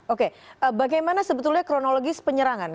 oke bagaimana sebetulnya kronologis penyerangan